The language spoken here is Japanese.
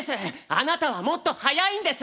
あなたはもっと速いんです！